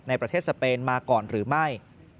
ในประเทศสเปนมาก่อนหรือไม่